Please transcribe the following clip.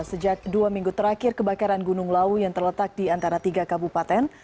sejak dua minggu terakhir kebakaran gunung lawu yang terletak di antara tiga kabupaten